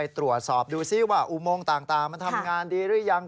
ตรวจสอบดูซิว่าอุโมงต่างมันทำงานดีหรือยัง